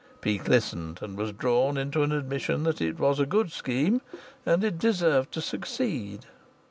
Peake listened and was drawn into an admission that it was a good scheme and deserved to succeed.